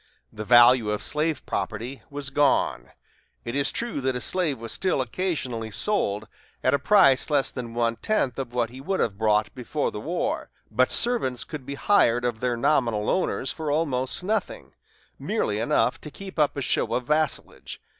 The value of slave property was gone. It is true that a slave was still occasionally sold, at a price less than one tenth of what he would have brought before the war, but servants could be hired of their nominal owners for almost nothing merely enough to keep up a show of vassalage.